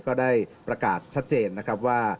ก็ได้ประกาศชัดเจนว่า